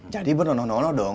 jadi bernonoh nonoh dong